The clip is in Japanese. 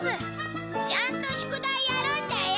ちゃんと宿題やるんだよ！